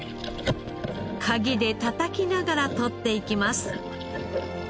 カギでたたきながらとっていきます。